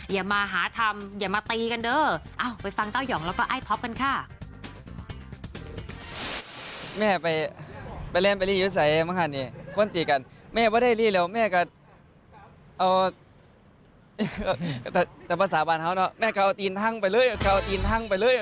อย่ามาหาทำอย่ามาตีกันเด้อไปฟังเต้ายองแล้วก็ไอ้ท็อปกันค่ะ